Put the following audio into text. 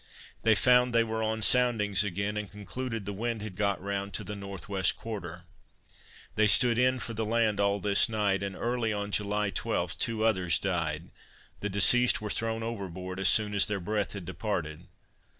They found they were on soundings again, and concluded the wind had got round to the N. W. quarter. They stood in for the land all this night, and early on July 12 two others died; the deceased were thrown overboard as soon as their breath had departed.